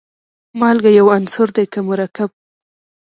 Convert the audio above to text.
مالګه یو عنصر دی که مرکب.